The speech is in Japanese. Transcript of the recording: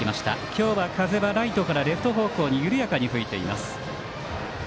今日は風はライトからレフト方向に緩やかに吹いています。